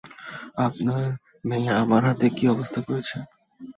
আপনার মেয়ে আমার হাতের, কী অবস্থা করেছে।